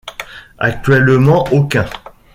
Actuellement aucun.